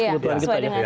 iya sesuai dengan list